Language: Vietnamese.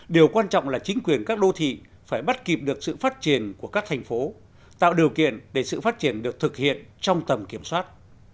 điều quan trọng là chính quyền các đô thị phải bắt kịp được sự phát triển của các thành phố tạo điều kiện để sự phát triển được thực hiện trong tầm kiểm soát